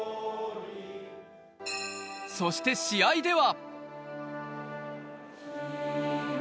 そして試合では。